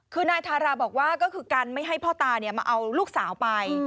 คือนายทาราบอกว่าก็คือกันไม่ให้พ่อตามาเอาลูกสาวไป